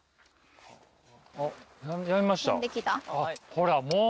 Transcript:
ほらもう。